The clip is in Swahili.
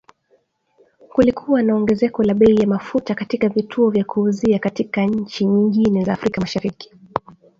Kulikuwa na ongezeko la bei ya mafuta katika vituo vya kuuzia katika nchi nyingine za Afrika Mashariki